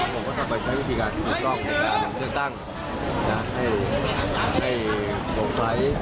ผมก็จะไปใช้วิธีการที่มีกรองเลือกตั้งน่ะให้ให้ส่งไฟ